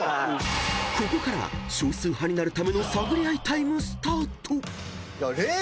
［ここからは少数派になるための探り合いタイムスタート］